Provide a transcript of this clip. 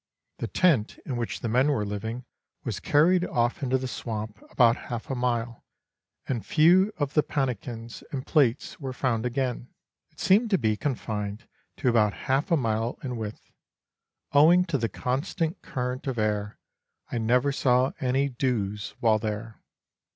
The tent in which the men were living was carried off into the swamp about half a mile, and few of the pannikins and plates were found again. It seemed to be confined to about half a mile in width. Owing to the constant current of air, I never saw any dews while there.